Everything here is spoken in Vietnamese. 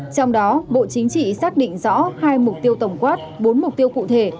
trong đó bộ chính trị xác định rõ hai mục tiêu tổng quát bốn mục tiêu cụ thể